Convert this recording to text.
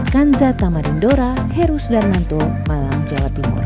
kanza tamarindora heru sudarmanto malang jawa timur